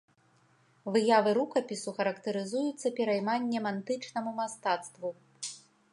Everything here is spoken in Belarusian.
Выявы рукапісу характарызуюцца перайманнем антычнаму мастацтву.